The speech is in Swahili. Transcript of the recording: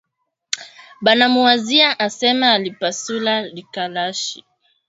Banamuwazia asema alipasula rikalashi